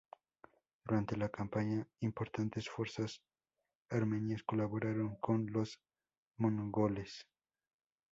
Durante la campaña, importantes fuerzas armenias colaboraron con los mongoles.